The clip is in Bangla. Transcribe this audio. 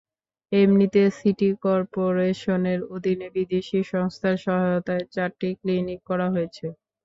এমনিতে সিটি করপোরেশনের অধীনে বিদেশি সংস্থার সহায়তায় চারটি ক্লিনিক করা হয়েছে।